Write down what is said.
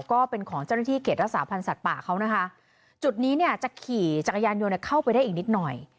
ก็เป็นของเจ้าหน้าที่เขตรักษาพันธ์สัตว์ป่าเขานะคะจุดนี้เนี่ยจะขี่จักรยานยนต์เข้าไปได้อีกนิดหน่อย